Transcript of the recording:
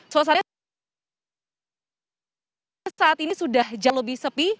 suasana saat ini sudah jauh lebih sepi